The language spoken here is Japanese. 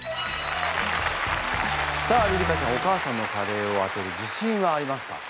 さありり花ちゃんお母さんのカレーを当てる自信はありますか？